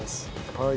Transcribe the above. はい。